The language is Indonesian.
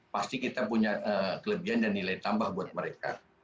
pasti kita punya kelebihan dan nilai tambah buat mereka